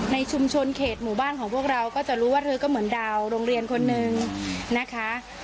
ในชุมชนเขตหมู่บ้านของพวกเราก็จะรู้ว่าเธอก็เหมือนดาวโรงเรียนคนนึงนะคะ